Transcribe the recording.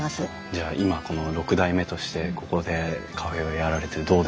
じゃあ今この６代目としてここでカフェをやられてどうですか？